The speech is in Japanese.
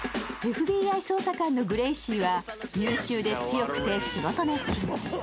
ＦＢＩ捜査官のグレイシーは優秀で強くて仕事熱心。